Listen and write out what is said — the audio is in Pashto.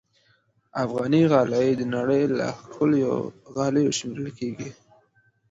افغاني غالۍ د نړۍ له ښکلو غالیو شمېرل کېږي.